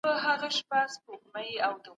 دولتونه به د خپلو سياسي ګټو ساتنه کوي.